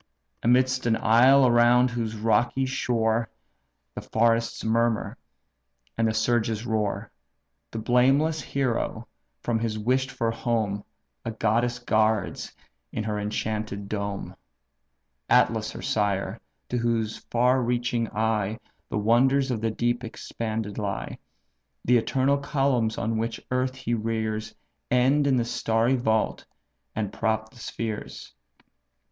Amidst an isle, around whose rocky shore The forests murmur, and the surges roar, The blameless hero from his wish'd for home A goddess guards in her enchanted dome; (Atlas her sire, to whose far piercing eye The wonders of the deep expanded lie; The eternal columns which on earth he rears End in the starry vault, and prop the spheres).